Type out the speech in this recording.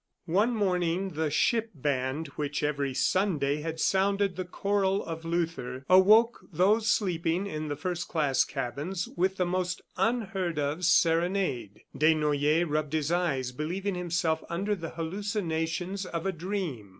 One morning the ship band which every Sunday had sounded the Choral of Luther, awoke those sleeping in the first class cabins with the most unheard of serenade. Desnoyers rubbed his eyes believing himself under the hallucinations of a dream.